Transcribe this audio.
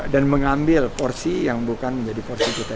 dan mengambil porsi yang bukan menjadi porsi kita